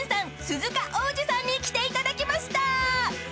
鈴鹿央士さんに来ていただきました！］